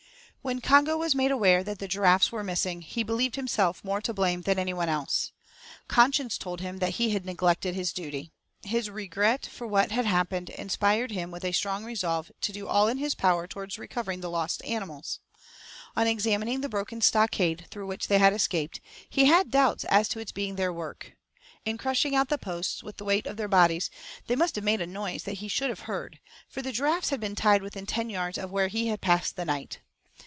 When Congo was made aware that the giraffes were missing, he believed himself more to blame than any one else. Conscience told him that he had neglected his duty. His regret for what had happened inspired him with a strong resolve to do all in his power towards recovering the lost animals. On examining the broken stockade through which they had escaped, he had doubts as to its being their work. In crushing out the posts with the weight of their bodies they must have made a noise that he should have heard; for the giraffes had been tied within ten yards of where he had passed the night.